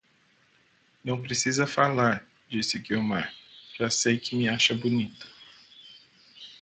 Não precisa falar, disse Guiomar, já sei que me acha bonita